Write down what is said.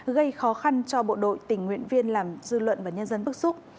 gây khó khăn cho bộ đội tình nguyện viên làm dư luận và nhân dân bức xúc